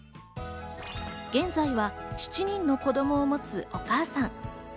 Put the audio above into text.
現在は７人の子供を持つお母さん。